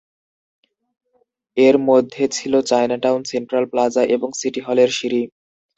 এর মধ্যে ছিল চায়নাটাউন সেন্ট্রাল প্লাজা এবং সিটি হলের সিঁড়ি।